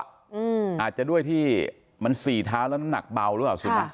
อาจจะด้วยที่มันสี่เท้าแล้วน้ำหนักเบาหรือเปล่าสุนัข